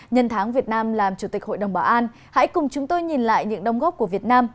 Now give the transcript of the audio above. nhân tháng việt nam làm chủ tịch hội đồng bảo an hãy cùng chúng tôi nhìn lại những đồng góp của việt nam